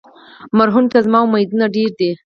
مرهون ته زما امیدونه ډېر دي.